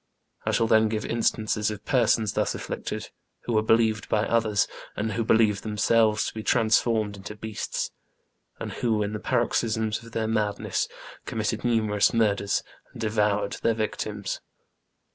I shall then give instances of persons thus afflicted, who were believed by others, and who believed themselves, to be transformed into beasts, and who, in the paroxysms of their madness, committed numerous murders, and devoured their victims.